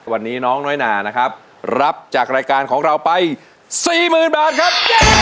วันนี้น้องน้อยนานะครับรับจากรายการของเราไป๔๐๐๐บาทครับ